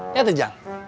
ya tuh jan